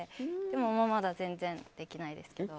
でも、まだ全然できないですけど。